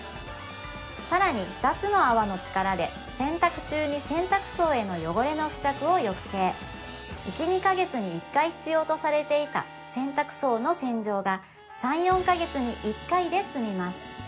さらに２つの泡の力で洗濯中に洗濯槽への汚れの付着を抑制１２カ月に１回必要とされていた洗濯槽の洗浄が３４カ月に１回で済みます